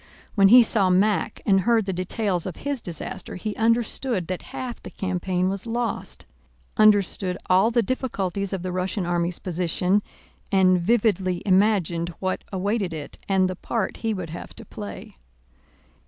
When he saw Mack and heard the details of his disaster he understood that half the campaign was lost, understood all the difficulties of the Russian army's position, and vividly imagined what awaited it and the part he would have to play.